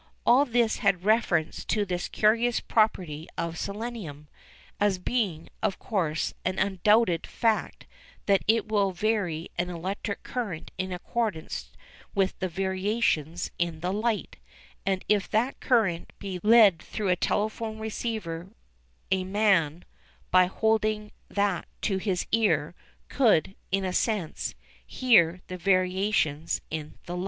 All this had reference to this curious property of selenium, it being, of course, an undoubted fact that it will vary an electric current in accordance with the variations in the light, and if that current be led through a telephone receiver a man, by holding that to his ear, could, in a sense, hear the variations in the light.